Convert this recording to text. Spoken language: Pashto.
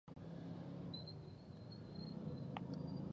چې د ښځې ماغزه تر نارينه کم دي،